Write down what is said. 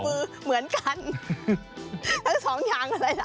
ควายกับกระบือเหมือนกันทั้งสองอย่างอะไรล่ะ